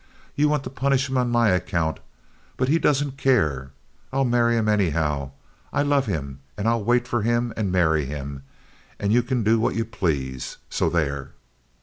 You want to punish him on my account; but he doesn't care. I'll marry him anyhow. I love him, and I'll wait for him and marry him, and you can do what you please. So there!"